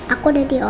aku udah diobatin kok